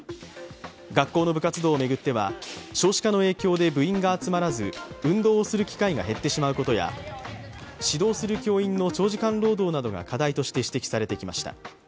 学校の部活動を巡っては少子化の影響で部員が集まらず運動をする機会が減ってしまうことや、指導する教員の長時間労働などが課題として指摘されてきました。